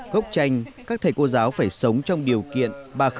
gốc chanh các thầy cô giáo phải sống trong điều kiện ba